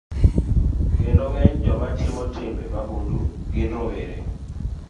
Kendo ng'eny joma timo timbe mahundu gin rowere.